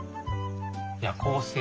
夜行性。